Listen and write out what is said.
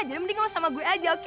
jadi mending lo sama gue aja oke